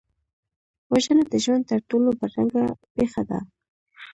وژنه د ژوند تر ټولو بدرنګه پېښه ده